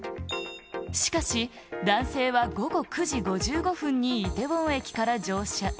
しかし、男性は午後９時５５分にイテウォン駅から乗車。